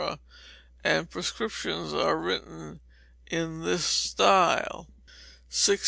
and prescriptions are written in this style. 663.